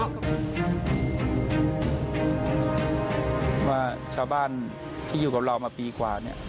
ว่าชาวบ้านที่อยู่กับเรามาปีกว่าเนี่ย